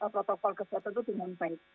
protokol kesehatan itu dengan baik